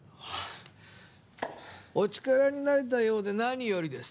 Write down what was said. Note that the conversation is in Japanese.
お力になれたようで何よりです